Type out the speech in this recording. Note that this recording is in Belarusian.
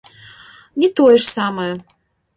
Не тое ж самае.